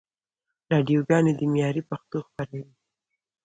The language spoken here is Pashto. راډیوګاني دي معیاري پښتو خپروي.